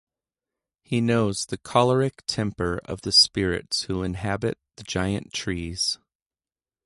He knows the choleric temper of the spirits who inhabit the giant trees.